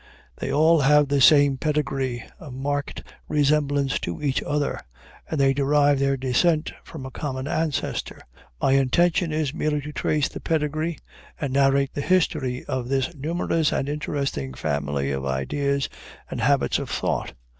They all have the same pedigree, a marked resemblance to each other, and they derive their descent from a common ancestor. My intention is merely to trace the pedigree and narrate the history of this numerous and interesting family of ideas and habits of thought.